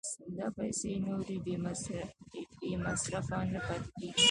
دا پیسې نورې بې مصرفه نه پاتې کېږي